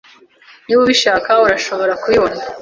Niba ubishaka, urashobora kubibona.